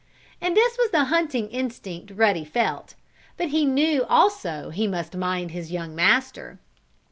And this was the hunting instinct Ruddy felt. But he knew he must also mind his young master.